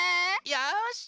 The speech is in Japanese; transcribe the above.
よし！